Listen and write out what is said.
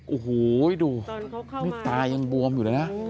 โอ้โหดูนี่ตายังบวมอยู่เลยนะ